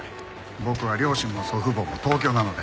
僕は両親も祖父母も東京なので。